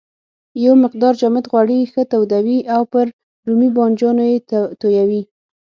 یو مقدار جامد غوړي ښه تودوي او پر رومي بانجانو یې تویوي.